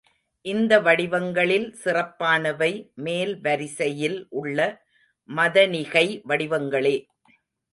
இந்த வடிவங்களில் சிறப்பானவை மேல் வரிசையில் உள்ள மதனிகை வடிவங்களே.